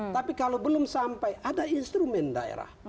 tapi kalau belum sampai ada instrumen daerah